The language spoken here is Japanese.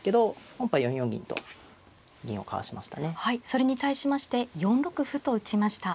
それに対しまして４六歩と打ちました。